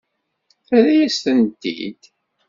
Terra-yas-tent-id?